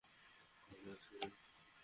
ভালো আছি, মা।